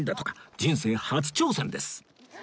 人生初挑戦です